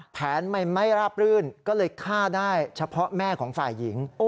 แผนมันไม่ราบรื่นก็เลยฆ่าได้เฉพาะแม่ของฝ่ายหญิง